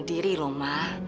diri loh ma